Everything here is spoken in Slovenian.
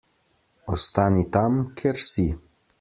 Ostani tam, kjer si.